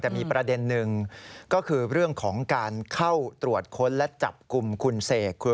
แต่มีประเด็นหนึ่งก็คือเรื่องของการเข้าตรวจค้นและจับกลุ่มคุณเสก